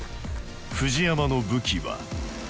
藤山の武器は。